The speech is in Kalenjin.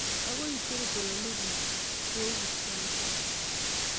agoi icheru kweyonik kuk koKiptooo ichutu